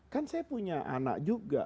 kan saya punya anak juga